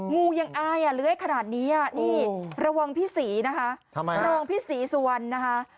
มืวยังอายอ่ะเลยขนาดนี้อ่ะรัวงพี่สีนะคะรัวพี่สีสุวันนะคะ